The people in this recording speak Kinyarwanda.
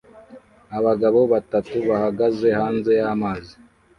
Abagabo batatu bahagaze hanze y'amazi